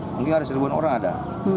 mungkin ada seribuan orang ada